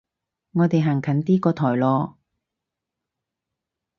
我哋行近啲個台囉